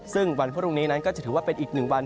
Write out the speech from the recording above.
ซึ่งวันพรุ่งนี้นั้นก็จะถือว่าเป็นอีกหนึ่งวัน